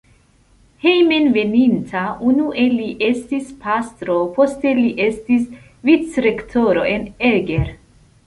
Hejmenveninta unue li estis pastro, poste li estis vicrektoro en Eger.